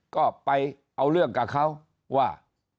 ก็ไปเอาเรื่องกับเขาว่า